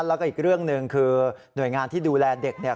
แล้วก็อีกเรื่องหนึ่งคือหน่วยงานที่ดูแลเด็กเนี่ย